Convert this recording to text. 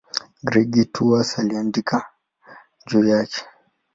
Gregori wa Tours aliandika juu yake.